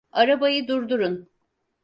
Arabayı durdurun!